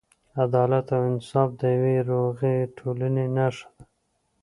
عدالت او انصاف د یوې روغې ټولنې نښه ده.